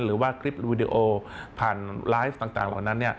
หรือว่าคลิปวีดีโอผ่านไลฟ์ต่างเหล่านั้น